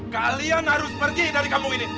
kalian harus pergi dari kamu ini